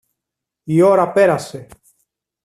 Η ώρα πέρασε.